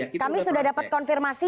kami sudah dapat konfirmasi